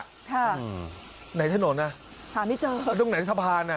ครับใหนถนนอ่ะไม่เจอตรงไหนน้ำถาพานอ่ะ